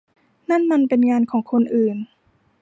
นั่นมันเป็นงานของคนอื่น